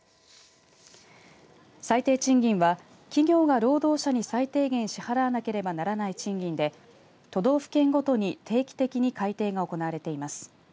最低賃金は企業が労働者に最低限支払わなければならない賃金で都道府県ごとに定期的に改定が行われています。